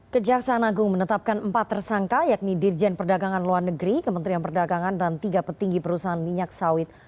kejaksaan agung menetapkan empat tersangka yakni dirjen perdagangan luar negeri kementerian perdagangan dan tiga petinggi perusahaan minyak sawit